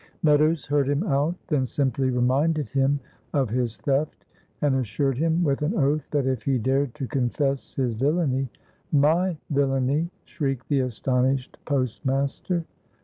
Meadows heard him out; then simply reminded him of his theft, and assured him with an oath that if he dared to confess his villainy "My villainy?" shrieked the astonished postmaster.